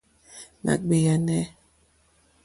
Nà ɡbèànà.